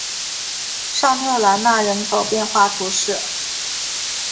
尚特兰讷人口变化图示